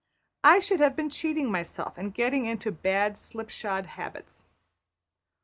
I should have been cheating myself and getting into bad slipshod habits.